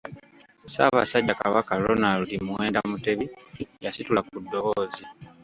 Ssaabasajja Kabaka Ronald Muwenda Mutebi yasitula ku ddoboozi.